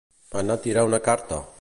Anar a tirar una carta.